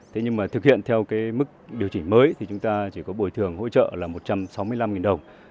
thế nhưng mà thực hiện theo cái mức điều chỉnh mới thì chúng ta chỉ có bồi thường hỗ trợ là một trăm sáu mươi năm đồng